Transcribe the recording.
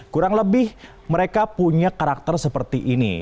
kurang lebih mereka punya karakter seperti ini